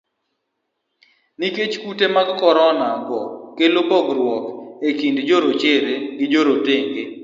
Nikech kute mag korona go kelo pogruok e kind jorachere gi jorotenge.